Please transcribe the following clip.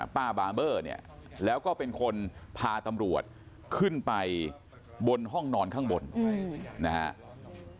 ป้าบาเบอร์เนี่ยแล้วก็เป็นคนพาตำรวจขึ้นไปบนห้องนอนข้างบนนะครับ